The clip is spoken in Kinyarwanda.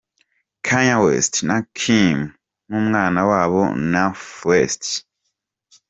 Kanye West na Kim n'umwana wabo North West.